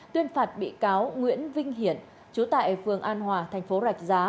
tuyên phạt bị cáo nguyễn vinh hiển chú tại phường an hòa thành phố rạch giá